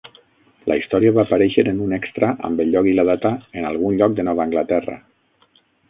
La història va aparèixer en un extra amb el lloc i la data "En algun lloc de Nova Anglaterra".